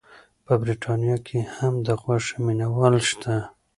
په بریتانیا کې هم د غوښې مینه وال شته.